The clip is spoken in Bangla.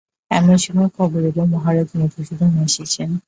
এমন সময়ে খবর এল, মহারাজ মধুসূদন এসেছেন।